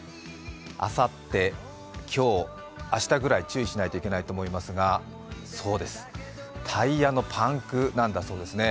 あさって、今日、明日ぐらい注意しないといけないと思いますがそうです、タイヤのパンクなんだそうですね。